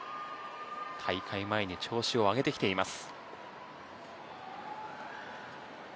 大会前に調子を上げてきています。